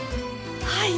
はい。